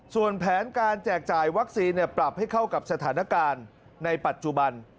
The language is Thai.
ส่วนแผนการแจกจ่ายวัคซีนปรับให้เข้ากับสถานการณ์ในปัจจุบัน